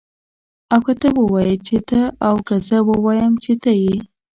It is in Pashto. او که ته ووايي چې ته او که زه ووایم چه ته يې